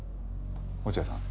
落合さん